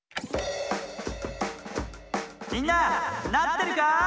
みんななってるかい？